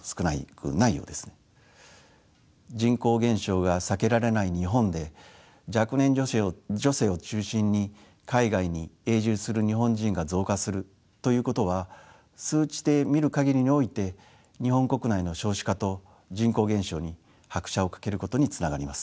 人口減少が避けられない日本で若年女性を中心に海外に永住する日本人が増加するということは数値で見る限りにおいて日本国内の少子化と人口減少に拍車をかけることにつながります。